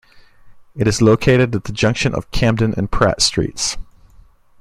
It is located at the junction of Camden and Pratt Streets.